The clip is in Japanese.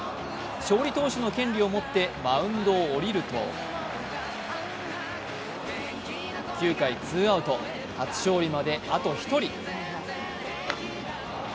勝利投手の権利を持ってマウンドを降りると９回ツーアウト初勝利まで、あと１人。